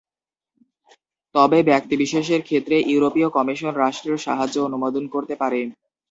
তবে ব্যক্তিবিশেষের ক্ষেত্রে ইউরোপীয় কমিশন রাষ্ট্রীয় সাহায্য অনুমোদন করতে পারে।